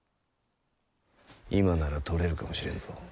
今なら取れるかもしれんぞ。